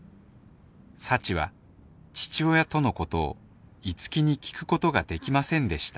幸は父親とのことを樹に聞くことができませんでした